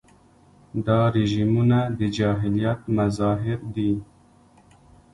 دا رژیمونه د جاهلیت مظاهر دي.